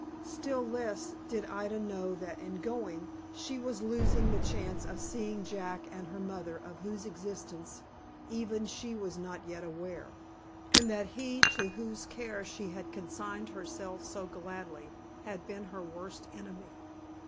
Still less did Ida know that, in going, she was losing the chance of seeing Jack and her mother, of whose existence, even, she was not yet aware; and that he, to whose care she consigned herself so gladly, had been her worst enemy.